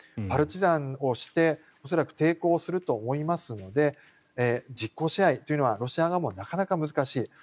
パルチザンをして恐らく抵抗すると思いますので実効支配というのはロシア側もなかなか難しい。